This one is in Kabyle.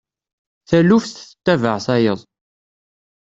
Taluft tettabaε tayeḍ.